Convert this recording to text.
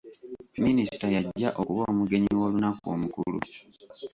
Minisita y'ajja okuba omugenyi w'olunaku omukulu.